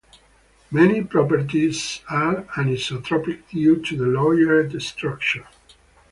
Many properties are anisotropic due to the layered structure.